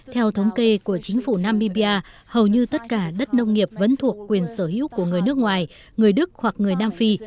theo thống kê của chính phủ nammibia hầu như tất cả đất nông nghiệp vẫn thuộc quyền sở hữu của người nước ngoài người đức hoặc người nam phi